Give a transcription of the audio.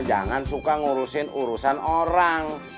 jangan suka ngurusin urusan orang